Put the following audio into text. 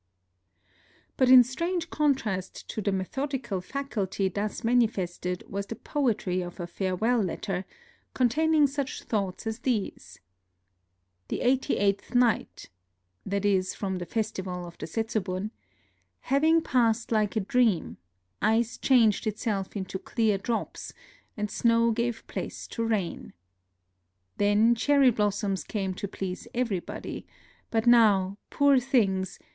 But in strange contrast to the methodical faculty thus manifested was the poetry of a farewell letter, containing such thoughts as these ;—" The eighty eighth night " [that is, from the festival of the Setsubun] " having passed like a dream, ice changed itself into clear drops, and snow gave place to rain. Then cherry blossoms came to please everybody ; but NOTES OF A TRIP TO KYOTO 11 now, poor things